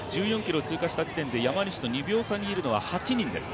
１４ｋｍを通過した時点で山西と２秒差にいるのは８人です